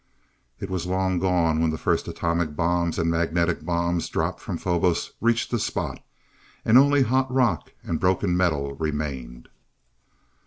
It was long gone, when the first atomic bombs and magnetic bombs dropped from Phobos reached the spot, and only hot rock and broken metal remained.